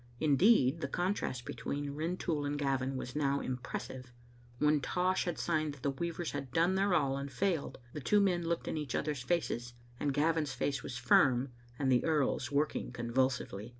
Indeed, the contrast between Rintoul and Gavin was now impressive. When Tosh signed that the weavers had done their all and failed, the two men looked in each other's faces, and Gavin's face was firm and the earl's working convulsively.